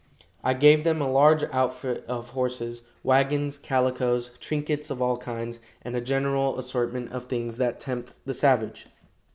I gave them a large outfit of horses, wagons, calicos, trinkets of all kinds, and a general assortment of things that tempt the savage.